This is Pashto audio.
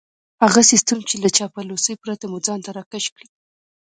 هغه سيستم چې له چاپلوسۍ پرته مو ځان ته راکش کړي.